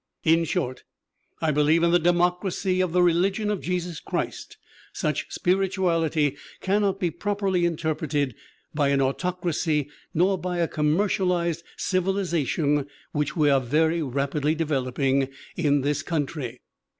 In short, I believe in the democracy of the religion of Jesus Christ. Such spirituality cannot be properly interpreted by an autocracy nor by a commercialized civilization which we are very rapidly developing in this coun try."